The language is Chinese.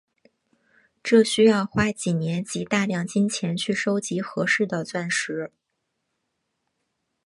这需要花几年及大量金钱去收集合适的钻石。